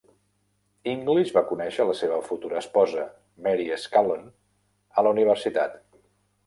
English va conèixer la seva futura esposa, Mary Scanlon, a la universitat.